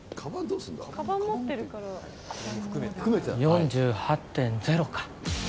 ４８．０か。